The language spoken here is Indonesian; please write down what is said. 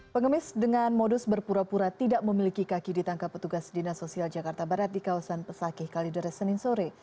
pengemis dengan modus berpura pura tidak memiliki kaki ditangkap petugas dinas sosial jakarta barat di kawasan pesakih kalideres senin sore